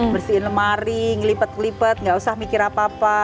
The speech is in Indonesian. bersihin lemari ngelipet lipet gak usah mikir apa apa